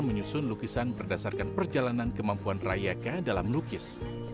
menyusun lukisan berdasarkan perjalanan kemampuan rayaka dalam lukis